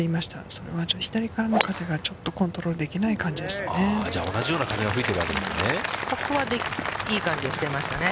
それはちょっと左からの風がちょっとコントロールできない感じでしたね。